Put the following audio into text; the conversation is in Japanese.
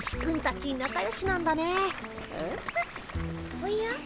おや？